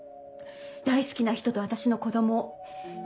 大好きな人と私の子供を。